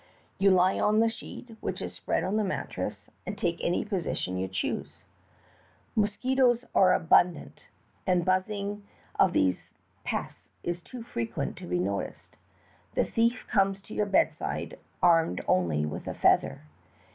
You lie on the sheet, whieh is spread on the mattress, and take any position 3^ou ehoose. Mosquitoes are abun ORIENTAL THIEVES. 291 dant, and the buzzing of these pests is too frequent to be noticed. The thief comes to your bedside armed only with a feather.